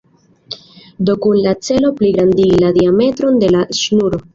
Do kun la celo pligrandigi la diametron de la ŝnuro.